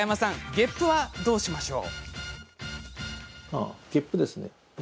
げっぷは、どうでしょう？